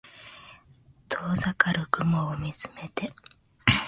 遠ざかる雲を見つめて